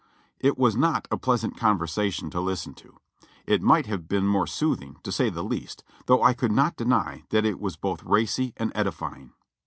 It was not a pleasant conversation to listen to; it might have been more soothing, to say the least, though I could not deny that it was both racy and edifying.